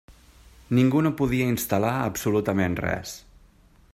Ningú no podia instal·lar absolutament res.